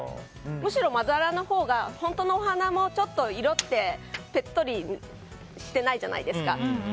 むしろ、まだらなほうが本当のお花もちょっと色ってぺっとりしてないじゃないですか。